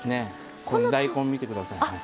大根、見てください。